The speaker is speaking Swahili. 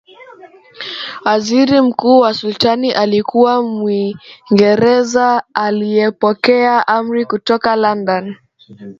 waziri mkuu wa Sultani alikuwa Mwingereza aliyepokea amri kutoka London